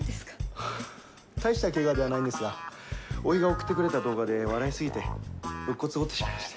ハハッ大したケガではないんですがおいが送ってくれた動画で笑いすぎてろっ骨を折ってしまいまして。